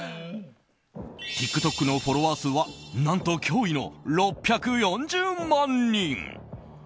ＴｉｋＴｏｋのフォロワー数は何と、驚異の６４０万人。